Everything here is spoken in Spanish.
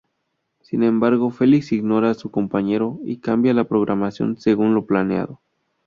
Sin embargo, Felix ignora a su compañero y cambia la programación según lo planeado.